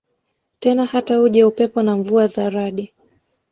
tena Hata uje upepo na mvua za radi